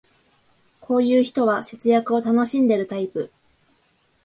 こういう人は節約を楽しんでるタイプ